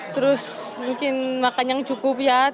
terus mungkin makan yang cukup ya